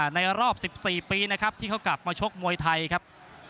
ในรอบ๑๔ปีนะครับที่เขากลับมาชกมวยไทยครับ